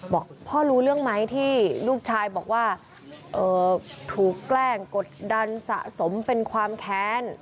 บอกพ่อรู้เรื่องไหมที่ลูกชายบอกว่าถูกแกล้งกดดันสะสมเป็นความแค้น